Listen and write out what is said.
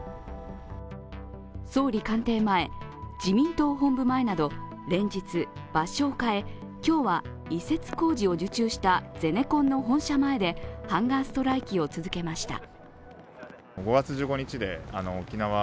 総理官邸前、自民党本部前など連日、場所を変え今日は移設工事を受注したゼネコンの本社前でハンガーストライキを続けました。